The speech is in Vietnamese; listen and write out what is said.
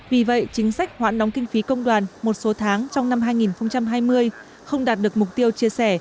vì vậy chính sách hoãn đóng kinh phí công đoàn một số tháng trong năm hai nghìn hai mươi không đạt được mục tiêu chia sẻ